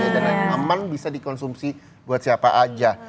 dan aman bisa dikonsumsi buat siapa aja